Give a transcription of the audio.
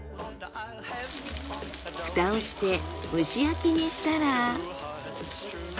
蓋をして蒸し焼きにしたら。